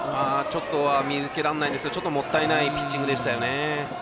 ちょっと見受けられないんですがもったいないピッチングでしたね。